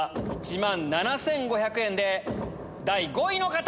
１万７５００円で第５位の方！